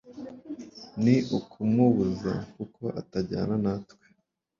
ni ukumubuza kuko atajyana natwe